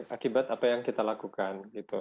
akibat apa yang kita lakukan